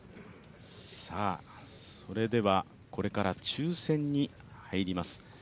それでは、これから抽選に入ります。